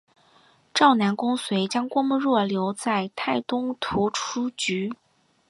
赵南公遂将郭沫若留在泰东图书局。